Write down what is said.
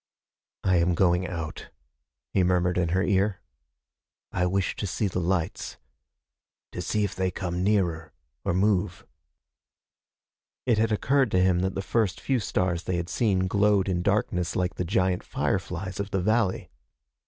"I am going out," he murmured in her ear. "I wish to see the lights. To see if they come nearer, or move." It had occurred to him that the first few stars they had seen glowed in darkness like the giant fireflies of the valley.